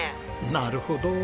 なるほど。